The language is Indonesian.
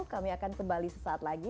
kami akan kembali sesaat lagi